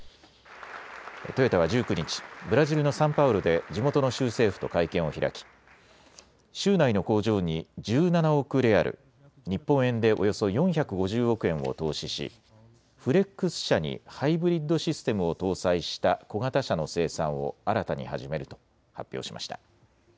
トヨタは１９日、ブラジルのサンパウロで地元の州政府と会見を開き州内の工場に１７億レアル、日本円でおよそ４５０億円を投資しフレックス車にハイブリッドシステムを搭載した小型車の生産を新たに始めると発表しました。